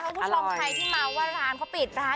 พูดของใครที่มาว่าร้านเขาปิดร้าน